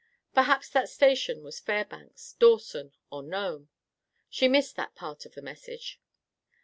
Perhaps that station was Fairbanks, Dawson or Nome. She missed that part of the message.